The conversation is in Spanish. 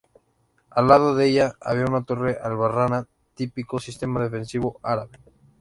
Al lado de ella había una torre albarrana, típico sistema defensivo árabe.